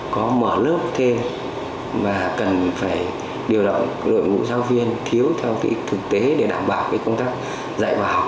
có mở lớp thêm và cần phải điều động đội ngũ giáo viên thiếu theo kỹ thực tế để đảm bảo công tác dạy vào học